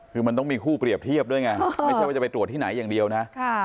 คือมันต้องมีคู่เปรียบเทียบด้วยไงไม่ใช่ว่าจะไปตรวจที่ไหนอย่างเดียวนะ